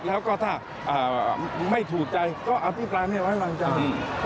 แล้วก็ถ้าไม่ถูกใจก็อธิบายไว้ร่างจาก